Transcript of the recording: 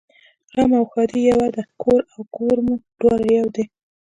غم او ښادي یوه ده کور او ګور مو دواړه یو دي